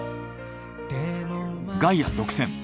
「ガイア」独占！